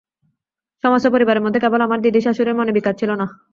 সমস্ত পরিবারের মধ্যে কেবল আমার দিদিশাশুড়ির মনে বিকার ছিল না।